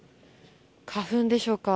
花粉でしょうか。